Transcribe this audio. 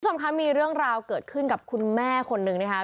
คุณผู้ชมคะมีเรื่องราวเกิดขึ้นกับคุณแม่คนหนึ่งนะคะ